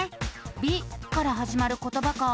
「び」からはじまることばか。